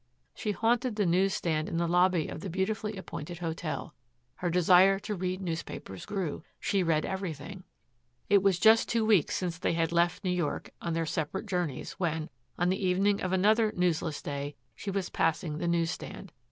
She haunted the news stand in the lobby of the beautifully appointed hotel. Her desire to read newspapers grew. She read everything. It was just two weeks since they had left New York on their separate journeys when, on the evening of another newsless day, she was passing the news stand.